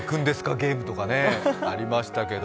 ゲームとかありましたけど。